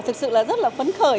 thực sự là rất là phấn khởi